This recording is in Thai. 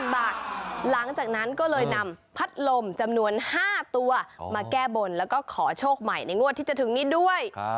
หลังจากนั้นก็เลยนำพัดลมจำนวน๕ตัวมาแก้บนแล้วก็ขอโชคใหม่ในงวดที่จะถึงนี้ด้วย